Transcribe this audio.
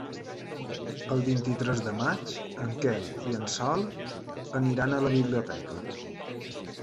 El vint-i-tres de maig en Quel i en Sol aniran a la biblioteca.